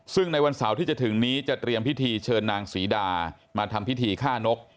ซึ่งในวันเสาร์ที่จะถึงนี้จะเตรียมพิธีเชิญนางศรีดามาทำพิธีฆ่านก